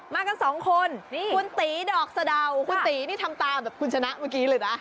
มากันสองคนคุณตีดอกสะดาวคุณตีนี่ทำตามแบบคุณชนะเมื่อกี้เลยนะ